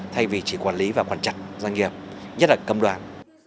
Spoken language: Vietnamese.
thay vì chỉ quản lý và quản trật doanh nghiệp nhất là cầm đoàn